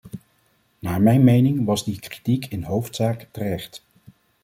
Naar mijn mening was die kritiek in hoofdzaak terecht.